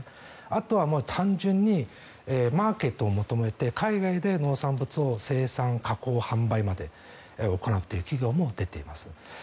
あとは単純にマーケットを求めて海外で農産物を生産、加工、販売まで行っている企業も出ています。